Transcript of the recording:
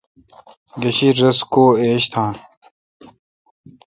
گیشیدس رس کو ایج تان۔